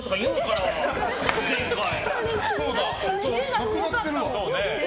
なくなってるわ。